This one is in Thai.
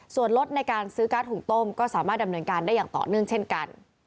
ส่วนลดในการซื้อการ์ดหุ่งต้มก็สามารถดำเนินการได้อย่างต่อเนื่องเช่นกัน